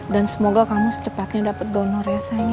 dan semoga kamu secepatnya dapat donor ya sayang